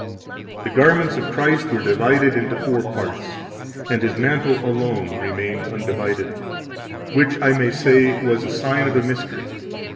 cit.): "The garments of Christ were divided into four parts, and His mantle alone remained undivided, which, I may say, was a sign of a mystery.